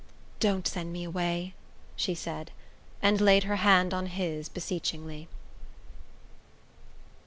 "Don't send me away!" she said, and laid her hand on his beseechingly.